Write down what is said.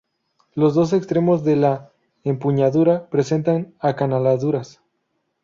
Los dos extremos de la empuñadura presentan acanaladuras.